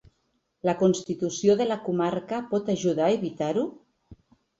La constitució de la comarca pot ajudar a evitar-ho?